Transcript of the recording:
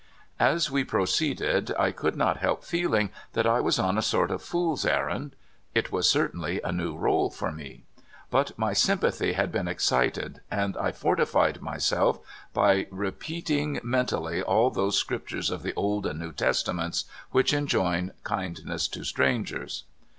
As we proceeded, I could not help feeling that I was on a sort of fool's errand. It was certainly a new role for me. But my sympathy had been ex cited, and I fortified myself by repeating mentally all those scriptures of the Old and New Testa ments which enjoin kindness to strangers.